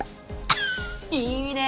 いいねえ！